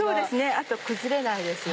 あと崩れないですよね。